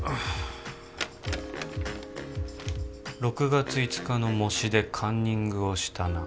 「６月５日の模試でカンニングをしたな」